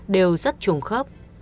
đều rất trùng khớp